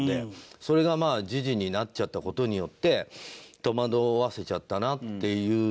それがまあ時事になっちゃった事によって戸惑わせちゃったなっていうのがあったので。